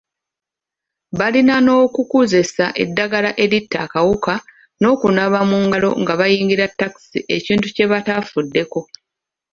Balina n’okukuzesa eddagala eritta akawuka, n’okunaaba mu ngalo nga bayingira takisi ekintu kye batafuddeko.